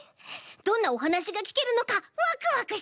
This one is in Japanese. どんなおはなしがきけるのかワクワクしています。